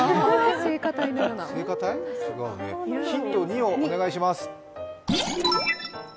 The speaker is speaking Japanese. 聖歌隊？ヒント２をお願いします。